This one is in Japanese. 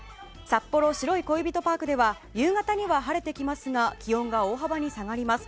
札幌白い恋人パークでは夕方には晴れてきますが気温が大幅に下がります。